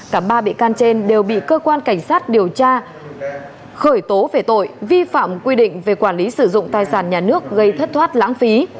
cả ba bị can trên đều bị cơ quan cảnh sát điều tra khởi tố về tội vi phạm quy định về quản lý sử dụng tài sản nhà nước gây thất thoát lãng phí